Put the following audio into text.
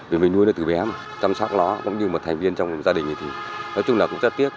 vì mình nuôi nó từ bé mà chăm sóc nó cũng như một thành viên trong gia đình thì nói chung là cũng rất tiếc